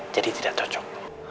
jadi tidak cocok